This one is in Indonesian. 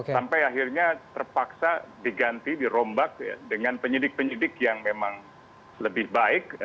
sampai akhirnya terpaksa diganti dirombak dengan penyidik penyidik yang memang lebih baik